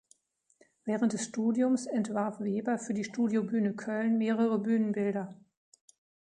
Während des Studiums entwarf Weber für die Studiobühne Köln mehrere Bühnenbilder.